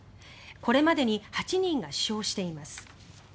これまでに８人が死傷しています。